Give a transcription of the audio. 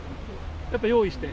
やっぱ用意して？